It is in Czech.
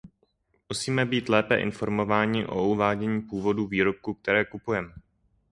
Musíme být lépe informováni o uvádění původu výrobků, které kupujeme.